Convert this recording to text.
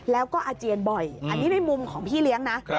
แล้วก็อาเจียนบ่อยอันนี้ในมุมของพี่เลี้ยงนะ